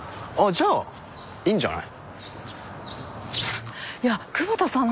じゃあいいんじゃない？